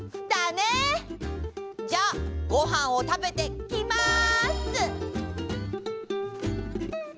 じゃあごはんをたべてきます！